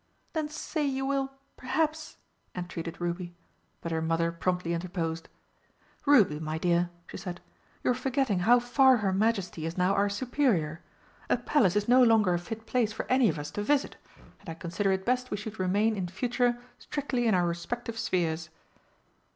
"Then say you will perhaps!" entreated Ruby, but her mother promptly interposed. "Ruby, my dear," she said, "you're forgetting how far her Majesty is now our superior. A Palace is no longer a fit place for any of us to visit, and I consider it best we should remain in future strictly in our respective spheres."